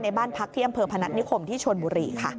ในบ้านพักเที่ยงเผิงพนัสนิขมที่ชวนบุรีค่ะ